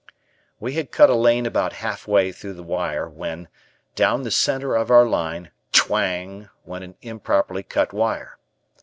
We had cut a lane about halfway through the wire when, down the center of our line, twang! went an improperly cut wire.